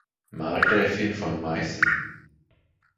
Markgräfin von Meißen.